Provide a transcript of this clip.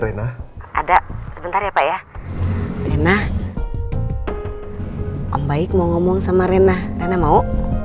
rena ada sebentar ya pak ya rena baik mau ngomong sama rena rena mau